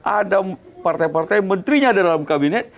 ada partai partai menterinya ada dalam kabinet